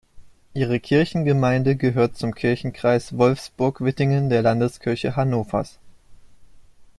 Ihre Kirchengemeinde gehört zum Kirchenkreis Wolfsburg-Wittingen der Landeskirche Hannovers.